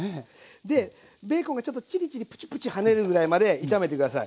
でベーコンがちょっとチリチリプチプチ跳ねるぐらいまで炒めて下さい。